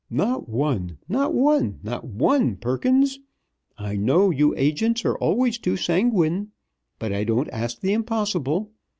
Not one! Not one! Not one, Perkins! I know, you agents are always too sanguine. But I don't ask the impossible.